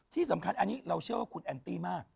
ที่สำคัญอันนี้เราเชื่อว่าคุณแอนตี้มาก